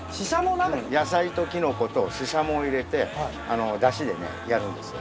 野菜とキノコとシシャモを入れてだしでねやるんですよ。